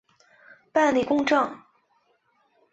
办理公证